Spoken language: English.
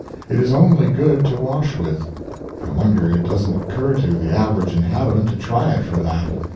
It is only good to wash with; I wonder it doesn't occur to the average inhabitant to try it for that.